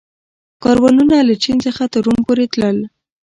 کاروانونه له چین څخه تر روم پورې تلل